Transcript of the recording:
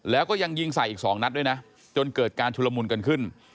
แล้วก็ยังยิงใส่อีก๒นัดด้วยนะจนเกิดการชุลมุนกันขึ้น